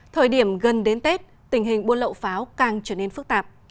thời điểm gần đến tết tình hình buôn lậu pháo càng trở nên phức tạp